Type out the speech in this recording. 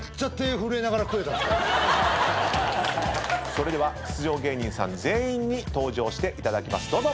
それでは出場芸人さん全員に登場していただきますどうぞ。